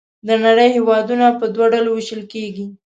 د نړۍ هېوادونه په دوه ډلو ویشل کیږي.